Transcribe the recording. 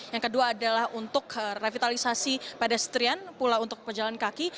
yang kedua adalah untuk revitalisasi pedestrian pula untuk pejalan kaki